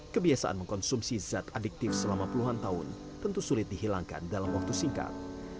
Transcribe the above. kebiasaan mengkonsumsi zat adiktif selama puluhan tahun tentu sulit dihilangkan dalam waktu singkat